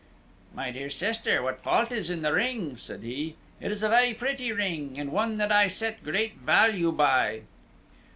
"My dear sister, what fault is in the ring?" said he. "It is a very pretty ring, and one that I set great value by."